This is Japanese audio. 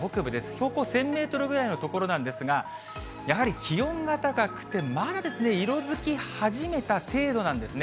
標高１０００メートルぐらいの所なんですが、やはり気温が高くて、まだ色づき始めた程度なんですね。